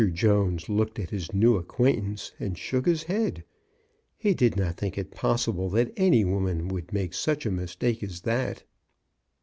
Jones looked at his new acquaintance and shook his head. He did not think it pos sible that any woman would make such a mis take as that.